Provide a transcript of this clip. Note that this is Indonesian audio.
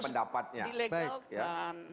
orang itu harus dilakukan